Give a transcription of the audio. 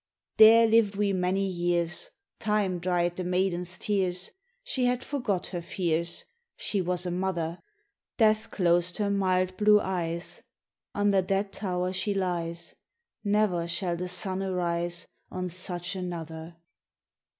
'There lived we many years; Time dried the maiden's tears; She had forgot her fears, She was a mother; Death closed her mild blue eyes, Under that tower she lies; Ne'er shall the sun arise On such another!